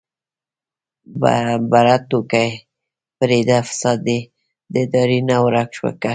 يره ټوکې پرېده فساد دې د ادارې نه ورک که.